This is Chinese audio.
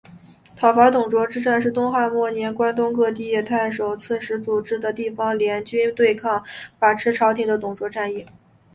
讨伐董卓之战是东汉末年关东各地太守刺史组织地方联军对抗把持朝廷的董卓的战役。